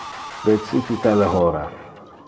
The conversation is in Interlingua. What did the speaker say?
Precipita le hora.